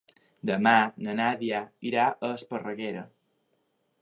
Demà na Nàdia irà a Esparreguera.